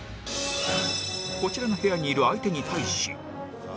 こちらの部屋にいる相手に対し